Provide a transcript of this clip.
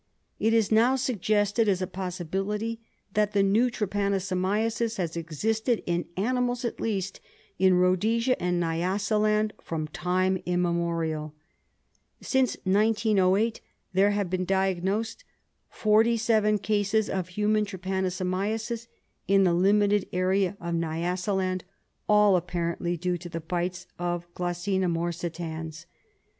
It is now suggested as a possibility that the new trypanosomiasis has existed, in animals at least, in Rhodesia and Nyasaland from time immemorial. Since 1908 there have been diagnosed 47 cases of human trypanoso miasis in a limited area of Nyasaland, all apparently due to the bites of G. morsitans.